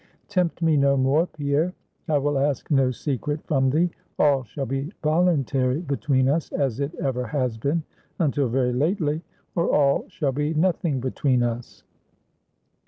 "Tempt me no more, Pierre. I will ask no secret from thee; all shall be voluntary between us, as it ever has been, until very lately, or all shall be nothing between us.